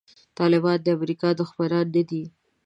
طالبان د امریکا دښمنان نه دي.